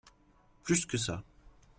Plus que ça.